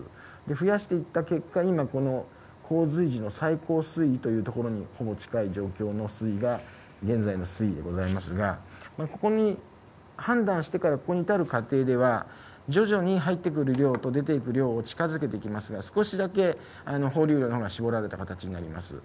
増やしていった結果、今、この洪水時の最高水位というところにほぼ近い状況の水位が現在の水位でございますが、ここに判断してからここに至る過程では、徐々に入ってくる量と出ていく量を近づけていきますが、少しだけ放流量が絞られた形になります。